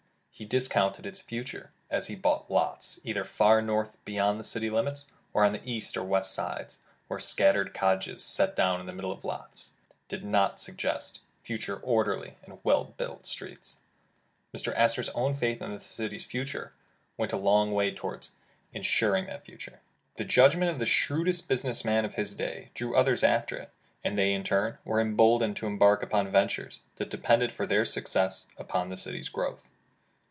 He discounted its future as he bought lots, either far north beyond the city limits, or on the east or west sides, where scattered cottages set down in the middle of lots, did not sug gest future orderly and well built streets. Mr. Astor 's own faith in the city's future, went a long way toward insuring that future. The judgment of the shrewdest business man of his day drew others after it, and they in turn, were em boldened to embark upon ventures, that depended for their success upon the city's growth.